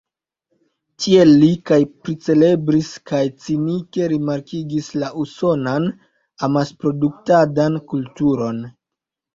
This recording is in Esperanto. Tiel li kaj pricelebris kaj cinike rimarkigis la usonan amasproduktadan kulturon.